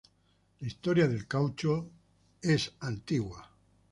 La historia del caucho es antigua.